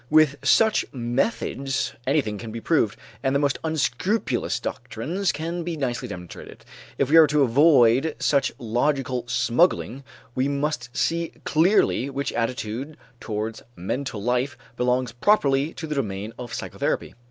With such methods anything can be proved, and the most unscrupulous doctrines can be nicely demonstrated. If we are to avoid such logical smuggling, we must see clearly which attitude towards mental life belongs properly to the domain of psychotherapy.